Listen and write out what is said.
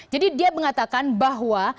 jadi dia mengatakan bahwa